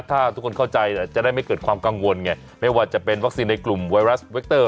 ถ้าทุกคนเข้าใจจะได้ไม่เกิดความกังวลไงไม่ว่าจะเป็นวัคซีนในกลุ่มไวรัสเวคเตอร์